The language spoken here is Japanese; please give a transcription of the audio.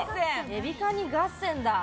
エビカニ合戦だ。